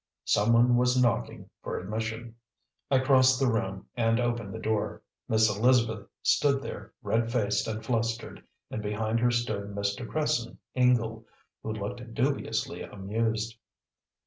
Some one was knocking for admission. I crossed the room and opened the door. Miss Elizabeth stood there, red faced and flustered, and behind her stood Mr. Cresson Ingle, who looked dubiously amused.